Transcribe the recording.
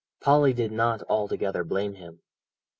Polly did not altogether blame him.